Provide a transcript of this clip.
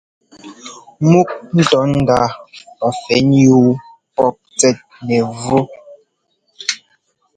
Múk ńtɔ́ɔ ndá pafɛnyúu pɔ́p tsɛt nɛvú.